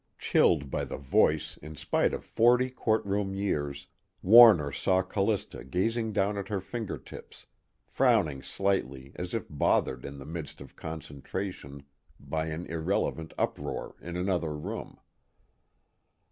Chilled by the voice in spite of forty courtroom years, Warner saw Callista gazing down at her fingertips, frowning slightly as if bothered in the midst of concentration by an irrelevant uproar in another room.